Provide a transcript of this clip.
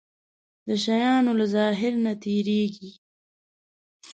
د شيانو له ظاهر نه تېرېږي.